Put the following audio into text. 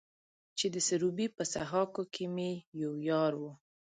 چې د سروبي په سهاکو کې مې يو يار و.